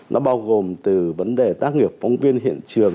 nó bao gồm từ vấn đề tác nghiệp phóng viên hiện trường